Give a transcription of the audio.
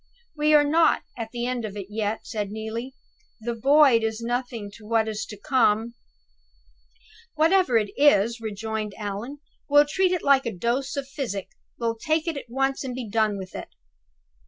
"We are not at the end of it yet," said Neelie. "The Void is nothing to what is to come." "Whatever it is," rejoined Allan, "we'll treat it like a dose of physic we'll take it at once, and be done with it."